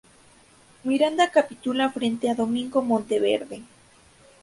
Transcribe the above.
Miranda capitula frente a Domingo de Monteverde.